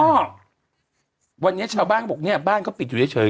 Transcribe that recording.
ก็วันนี้ชาวบ้านบอกเนี่ยบ้านเขาปิดอยู่เฉย